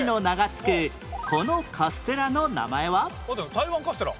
台湾カステラ。